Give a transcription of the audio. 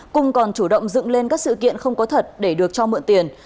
cùng còn chủ động dựng lên các sự kiện không có thật để được cho mượn tiền